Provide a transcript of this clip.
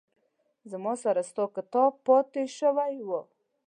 زما سره ستا کتاب پاتې شوي وه